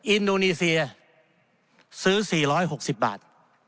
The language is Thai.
อินโดนีเซียซื้อ๔๖๐บาท